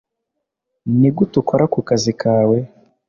Nigute ukora kukazi kawe